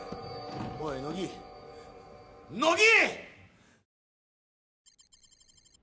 おい乃木乃木！